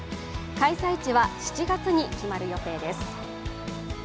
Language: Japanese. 開催地は７月に決まる予定です。